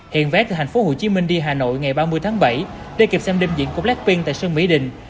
hiện vé từ thành phố hồ chí minh đi hà nội ngày ba mươi tháng bảy để kịp xem đêm diễn của blackpink tại sân mỹ đình